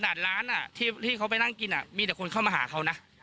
ร้านที่เขาไปนั่งกินมีแต่คนเข้ามาหาเขานะ